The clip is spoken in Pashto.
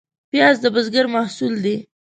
پیاز د بزګر محصول دی